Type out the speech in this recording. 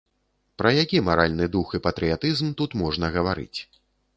Пра які маральны дух і патрыятызм тут можна гаварыць?